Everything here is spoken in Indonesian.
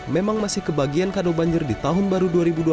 memang masih kebagian kado banjir di tahun baru dua ribu dua puluh